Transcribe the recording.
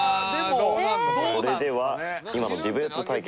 それでは今のディベート対決